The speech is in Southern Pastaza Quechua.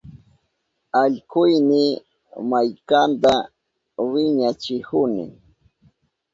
Allkuyni maykanta wiñachihuni.